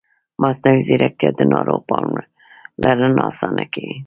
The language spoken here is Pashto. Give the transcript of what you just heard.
مصنوعي ځیرکتیا د ناروغ پاملرنه اسانه کوي.